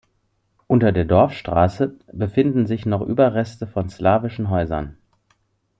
Unter der Dorfstraße befinden sich noch Überreste von slawischen Häusern.